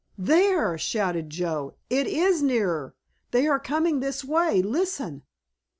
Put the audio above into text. "There!" shouted Joe, "it is nearer! They are coming this way. Listen!